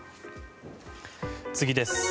次です。